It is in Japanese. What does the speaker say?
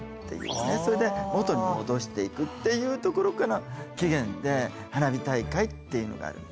それで元に戻していくっていうところから起源で花火大会っていうのがあるの。